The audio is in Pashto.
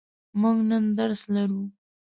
موږ نن درس لرو.